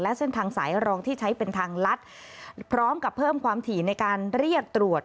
และเส้นทางสายรองที่ใช้เป็นทางลัดพร้อมกับเพิ่มความถี่ในการเรียกตรวจ